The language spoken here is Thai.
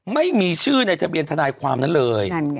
ไม่มีชื่อในทะเบียนทนายความนั้นเลย